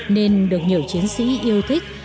nên được nhiều chiến sĩ yêu thích